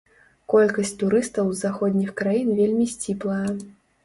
Колькасць турыстаў з заходніх краін вельмі сціплая.